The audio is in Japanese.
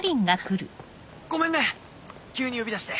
ごめんね急に呼び出して。